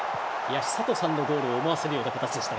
寿人さんのゴールを思わせるような形でしたが。